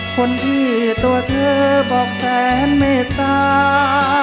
คนที่ตัวเธอบอกแสนเมตตา